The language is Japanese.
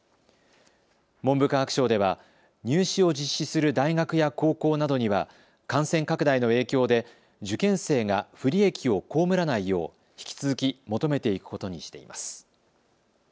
文部科学省では入試を実施する大学や高校などには感染拡大の影響で受験生が不利益を被らないよう引き続き求めていくことにしています。